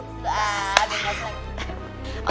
ada yang tas lo